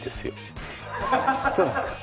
そうなんすか。